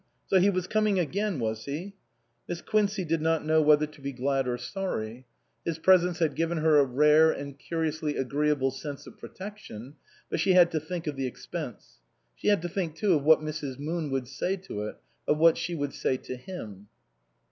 So he was coming again, was he? Miss Quincey did not know whether to be glad 230 BASTIAN CAUTLEY, M.D or sorry. His presence had given her a rare and curiously agreeable sense of protection, but she had to think of the expense. She had to think too of what Mrs. Moon would say to it of what she would say to him.